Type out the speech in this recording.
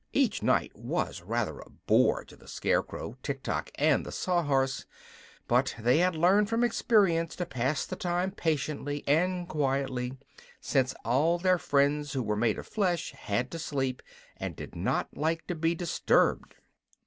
Each night was rather a bore to the Scarecrow, Tiktok and the Sawhorse; but they had learned from experience to pass the time patiently and quietly, since all their friends who were made of flesh had to sleep and did not like to be disturbed.